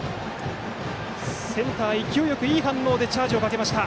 センターが勢いよくいい反応でチャージをかけました。